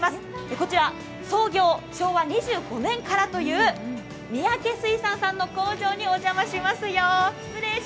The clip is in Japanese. こちら創業、昭和２５年からという三宅水産さんの工場にお邪魔しますよ。